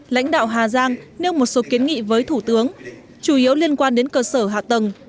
lãnh đạo hà giang nêu một số kiến nghị với thủ tướng chủ yếu liên quan đến cơ sở hạ tầng